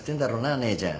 姉ちゃん。